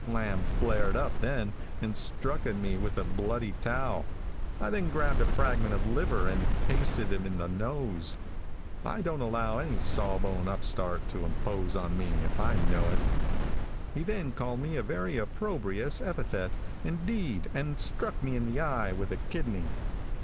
Lamb flared up then, and struck at me with a bloody towel. I then grabbed a fragment of liver, and pasted him in the nose. I don't allow any sawbone upstart to impose on me, if I know it. He then called me a very opprobrious epithet, indeed, and struck me in the eye with a kidney.